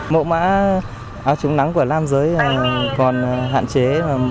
mẫu mã chống nắng của nam giới còn hạn chế